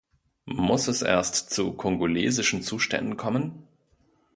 Muss es erst zu kongolesischen Zuständen kommen?